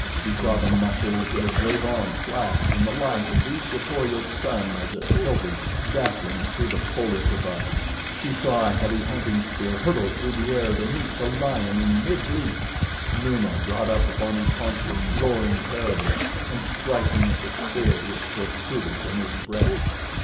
She saw the muscles of a great arm flash in the light of the equatorial sun as it filtered, dappling, through the foliage above. She saw a heavy hunting spear hurtle through the air to meet the lion in midleap. Numa brought up upon his haunches, roaring terribly and striking at the spear which protruded from his breast.